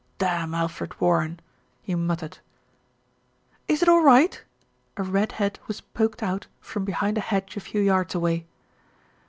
"Damn Alfred Warren !" he muttered. "Is it all right?" A red head was poked out from behind a hedge a few yards away.